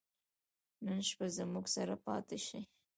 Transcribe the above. نن شپه زموږ سره پاته سئ.